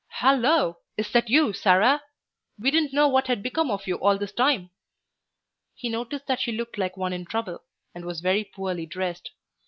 "Halloa! is that you, Sarah? We didn't know what had become of you all this time." He noticed that she looked like one in trouble, and was very poorly dressed.